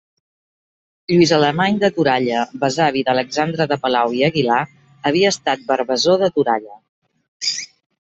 Lluís Alemany de Toralla, besavi d'Alexandre de Palau i d'Aguilar, havia estat varvassor de Toralla.